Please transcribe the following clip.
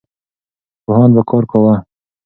پوهان به کار کاوه.